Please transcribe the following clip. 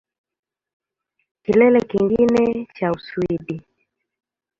Kilele kingine cha Uswidi